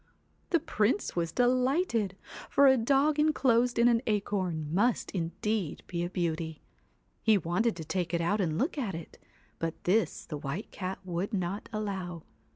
The Prince was delighted, for a dog enclosed in an acorn must indeed be a beauty. He wanted to take it out and look at it, but this the White Cat would not allow.